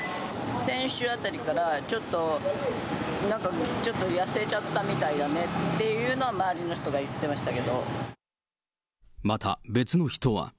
先週あたりから、ちょっと、なんかちょっと、痩せちゃったみたいだねっていうのは、また、別の人は。